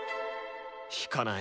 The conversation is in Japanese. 弾かない。